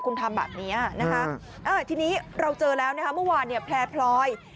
คุณทำแบบนี้นะคะทีนี้เราเจอแล้วนะคะเมื่อวานเนี่ยแพร่พลอย